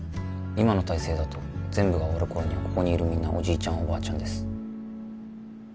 今の体制だと全部が終わる頃にはここにいるみんなおじいちゃんおばあちゃんです